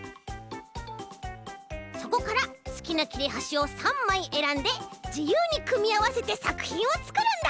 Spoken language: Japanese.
そこからすきなきれはしを３まいえらんでじゆうにくみあわせてさくひんをつくるんだ！